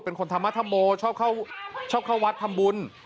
เป็นคนธรรมธรโมชอบเข้าวัดทำบุญ